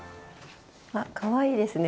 あかわいいですね